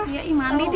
iya mandi mandi